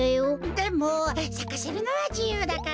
でもさかせるのはじゆうだから。